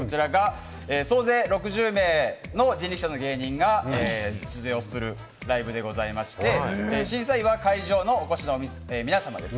こちらが総勢６０名の人力舎の芸人が出場するライブでございまして、審査員は会場の皆さまです。